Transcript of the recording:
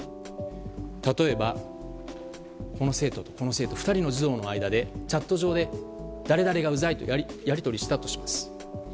例えば、この生徒とこの生徒の２人の児童の間でチャット上で誰々がうざいとやり取りしたとします。